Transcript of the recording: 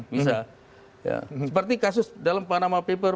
bisa seperti kasus dalam panama paper